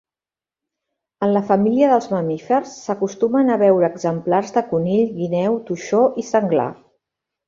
En la família dels mamífers s'acostumen a veure exemplars de conill, guineu, toixó i senglar.